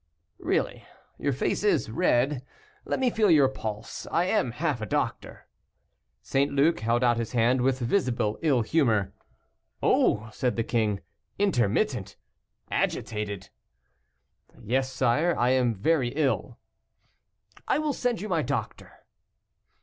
"Really, your face is red; let me feel your pulse, I am half a doctor." St. Luc held out his hand with visible ill humor. "Oh!" said the king, "intermittent agitated." "Yes, sire, I am very ill." "I will send you my doctor."